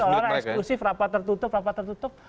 seolah olah eksklusif rapat tertutup rapat tertutup